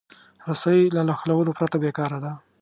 رسۍ له نښلولو پرته بېکاره ده.